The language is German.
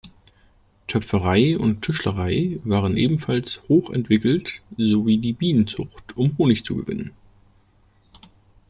Töpferei und Tischlerei waren ebenfalls hoch entwickelt sowie die Bienenzucht, um Honig zu gewinnen.